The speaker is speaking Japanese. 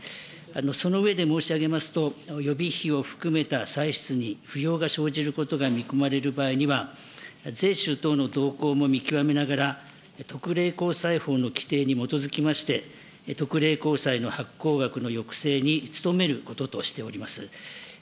その上で申し上げますと予備費を含めた歳出に不要が生じることが見込まれる場合には、税収等の動向も見極めながら、特例こうさい法の規定に基づきまして、特例こうさいの発行額の抑制に努めることとしております。